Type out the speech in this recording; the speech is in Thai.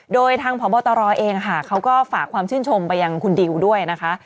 โดยทางพบตรเองค่ะเขาก็ฝากความชื่นชมไปยังคุณดิวด้วยนะคะ